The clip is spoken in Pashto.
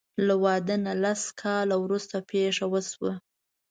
له واده نه لس کاله وروسته پېښه وشوه.